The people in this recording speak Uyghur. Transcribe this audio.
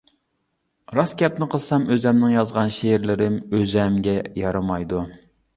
راست گەپنى قىلسام ئۆزۈمنىڭ يازغان شېئىرلىرىم ئۆزۈمگە يارىمايدۇ.